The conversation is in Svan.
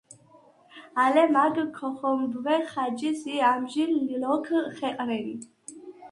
ალე მაგ ქო̄ხო̄მბვე ხაჯის ი ამჟი̄ნ ლოქ ხეყრენი.